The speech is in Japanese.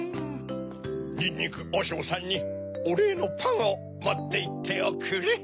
にんにくおしょうさんにおれいのパンをもっていっておくれ。